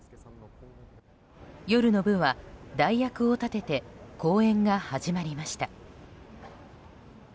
夜の部は代役を立てて公演が始まりました。